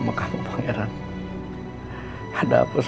l auckland lagi ini aku dalang friday